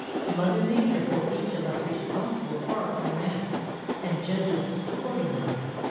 Mother Nature holds each of us responsible for our own acts and judges us accordingly."